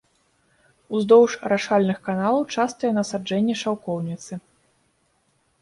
Уздоўж арашальных каналаў частыя насаджэнні шаўкоўніцы.